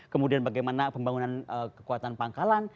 kemudian bagaimana pembangunan kekuatan pangkalan